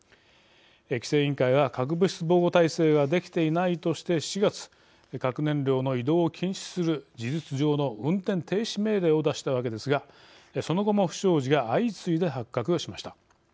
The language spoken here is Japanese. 規制委員会は核物質防護体制ができていないとして４月、核燃料の移動を禁止する事実上の運転停止命令を出したわけですがその後も不祥事が相次いで発覚しました。